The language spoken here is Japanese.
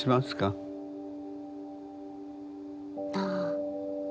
ああ。